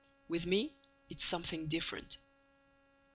"With me, it's something different."